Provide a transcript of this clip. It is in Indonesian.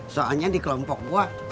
soalnya di kelompok gue